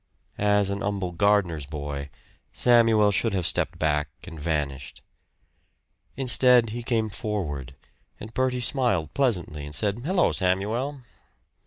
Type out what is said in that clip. As an humble gardener's boy, Samuel should have stepped back and vanished. Instead he came forward, and Bertie smiled pleasantly and said, "Hello, Samuel."